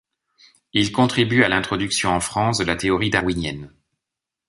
Il contribue à l'introduction en France de la théorie darwinienne.